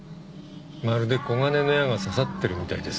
まるで金の矢が刺さってるみたいです。